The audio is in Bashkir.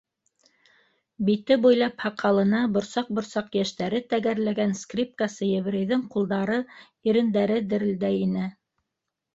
- Бите буйлап һаҡалына борсаҡ-борсаҡ йәштәре тәгәрләгән скрипкасы еврейҙың ҡулдары, ирендәре дерелдәй ине.